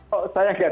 oh saya gak tahu